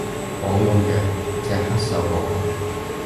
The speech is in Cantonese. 冇用嘅，隻黑手好黑